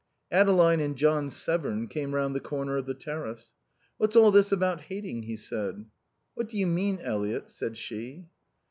Adeline and John Severn came round the corner of the terrace. "What's all this about hating?" he said. "What do you mean, Eliot?" said she.